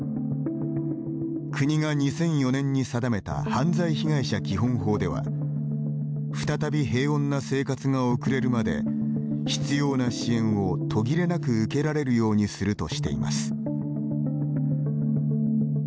国が２００４年に定めた「犯罪被害者基本法」では再び平穏な生活が送れるまで必要な支援を途切れなく受けられるようにするとしています。